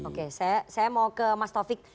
oke saya mau ke mas taufik